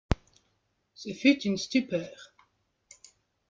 Ce fut une stupeur.